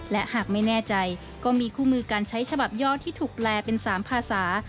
และหากไม่แน่ใจก็มีคู่มือการใช้ฉบับยอดที่ถูกแปลเป็น๓ภาษา